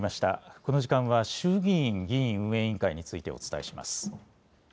この時間は衆議院議院運営委員会についてお伝えします。